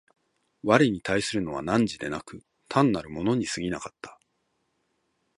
我に対するのは汝でなく、単なる物に過ぎなかった。